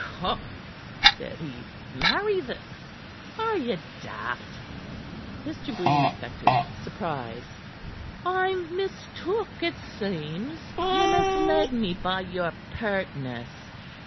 "Cod!" said he. "Marry the Are ye daft?" Mr. Green affected surprise. "I'm mistook, it seems. Ye misled me by your pertness.